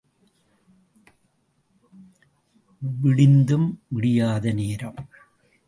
விடிந்தும் விடியாத நேரம்.